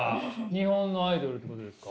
日本のアイドルってことですか？